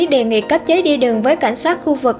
đề nghị cấp chế đi đường với cảnh sát khu vực